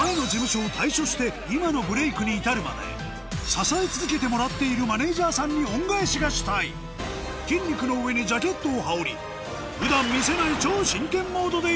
支え続けてもらっているマネジャーさんに恩返しがしたい筋肉の上にジャケットを羽織り普段見せない